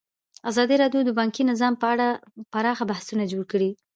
ازادي راډیو د بانکي نظام په اړه پراخ بحثونه جوړ کړي.